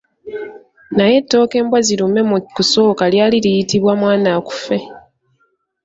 Naye ettooke mbwazirume mu kusooka lyali liyitibwa mwanaakufe.